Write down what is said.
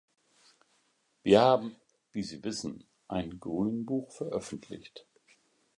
Wir haben, wie Sie wissen, ein Grünbuch veröffentlicht.